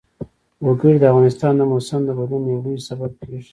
وګړي د افغانستان د موسم د بدلون یو لوی سبب کېږي.